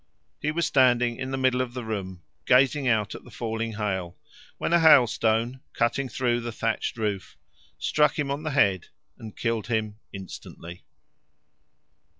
He was standing in the middle of the room, gazing out at the falling hail, when a hailstone, cutting through the thatched roof, struck him on the head and killed him instantly.